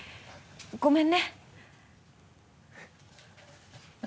ごめんね。